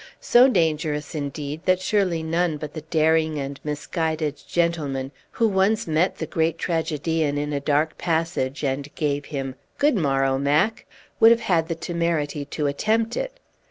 So dangerous, indeed, that surely none but the daring and misguided gentleman who once met the great tragedian in a dark passage, and gave him "Good morrow, 'Mac,' " would have had the temerity to attempt it.